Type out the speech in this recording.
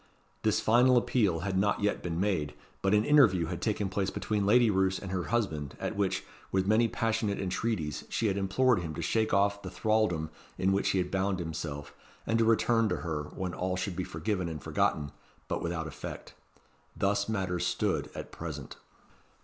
This final appeal had not yet been made; but an interview had taken place between Lady Roos and her husband, at which, with many passionate entreaties, she had implored him to shake off the thraldom in which he had bound himself, and to return to her, when all should be forgiven and forgotten, but without effect. Thus matters stood at present.